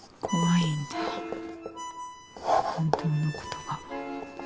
怖いんだ本当のことが。